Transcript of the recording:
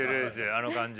あの感じ。